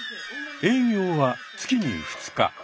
営業は月に２日。